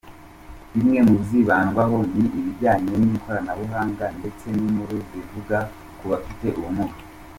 Bimwe mu bizibandwaho ni ibijyanye n’ikoranabuhanga ndetse n’inkuru zivuga ku bafite ubumuga.